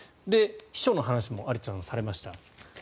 秘書の話も有田さん、されました。